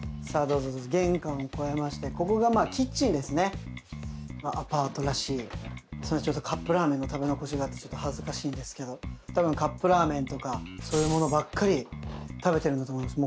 どうぞどうぞ玄関を越えましてアパートらしいカップラーメンの食べ残しがあってちょっと恥ずかしいんですけどたぶんカップラーメンとかそういうものばっかり食べてるんだと思います